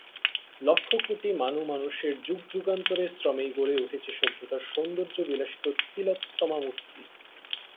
লক্ষ কোটি মানুমানুষের যুগ যুগান্তরের শ্রমেই গড়ে উঠেছে সভ্যতার সৌন্দর্য বিলাসিত তিলোত্তমা মূর্তি।